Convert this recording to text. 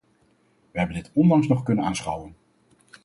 Wij hebben dit onlangs nog kunnen aanschouwen.